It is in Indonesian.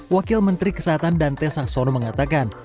wakil menteri kesehatan dante saxono mengatakan